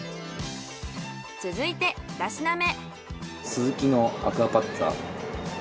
続いて２品目。